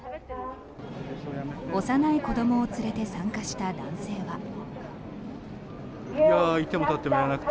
幼い子どもを連れて参加した男性は。